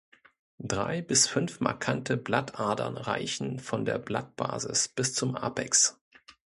Drei bis fünf markante Blattadern reichen von der Blattbasis bis zum Apex.